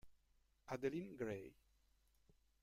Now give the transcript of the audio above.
Adeline Gray